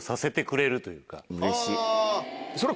うれしい。